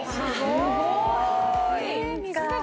すごい。